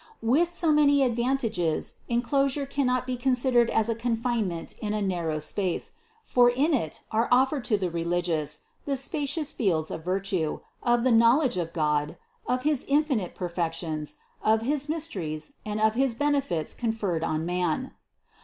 With so many advantages enclosure cannot be con sidered as a confinement in a narrow space, for in it are offered to the religious the spacious fields of virtue, of the knowledge of God, of his infinite perfections, of his mys teries, and of his benefits conferred on man.